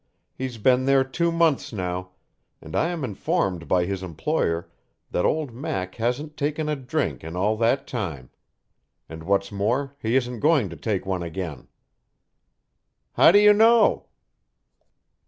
He's been there two months now, and I am informed by his employer that old Mac hasn't taken a drink in all that time. And what's more, he isn't going to take one again." "How do you know?"